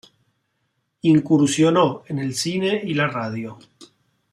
Incursionó en el cine y la radio.